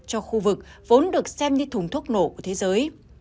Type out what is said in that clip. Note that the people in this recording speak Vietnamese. cho khu vực vốn được xem như thùng thuốc nổ của thế giới